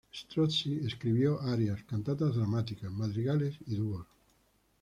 Strozzi escribió arias, cantatas dramáticas, madrigales y dúos.